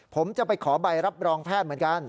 ผมจะไปขอใบรับรองแพทย์เหมือนกัน